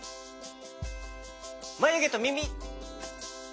まゆげとみみ！